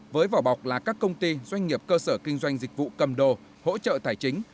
với vỏ bọc là các công ty doanh nghiệp cơ sở kinh doanh dịch vụ cầm đồ hỗ trợ tài chính